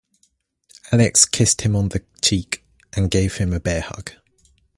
Alex kissed him on the cheek and gave him a bear hug.